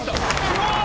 すごーい！